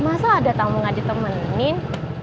masa ada tamu gak ditemenin